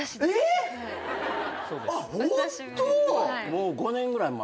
もう５年ぐらい前？